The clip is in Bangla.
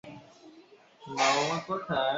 তিনি উজবেকিস্তানের সমরকন্দে জন্মগ্রহণ করেছেন।